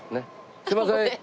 すいません！